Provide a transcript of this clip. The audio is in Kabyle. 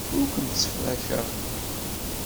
Ur kent-ssefrakeɣ.